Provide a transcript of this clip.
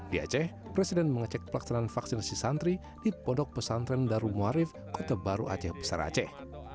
di aceh presiden mengecek pelaksanaan vaksinasi santri di ponpes darun muarif kota baru aceh besar aceh